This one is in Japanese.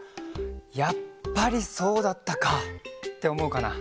「やっぱりそうだったか！」っておもうかな。